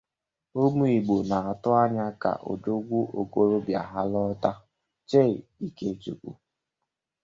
Ụmụ Igbo na-atụ anya ka Odogwu okorobịa ha lọta! Chaị Ikechukwu